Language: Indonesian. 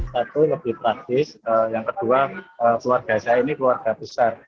satu lebih praktis yang kedua keluarga saya ini keluarga besar